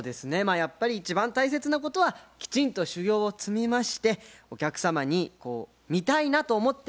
やっぱり一番大切なことはきちんと修行を積みましてお客様に見たいなと思って頂ける役者になること。